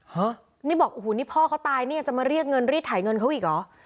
ฮะนี่บอกโอ้โหนี่พ่อเขาตายเนี่ยจะมาเรียกเงินรีดถ่ายเงินเขาอีกเหรอ